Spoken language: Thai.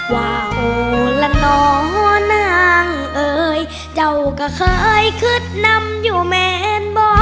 วาวละหนอนางเอ่ยเจ้าก็เคยขึ้นนำอยู่แมนบ่อ